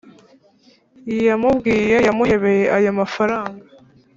yamubwiye yamuhebeye ayo mafaranga